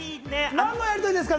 何のやりとりですか？